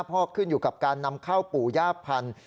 เพราะขึ้นอยู่กับการนำเข้าปู่ย่าพันธุ